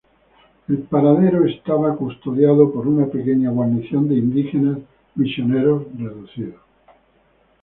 El paradero estaba custodiado por una pequeña guarnición de indígenas misioneros reducidos.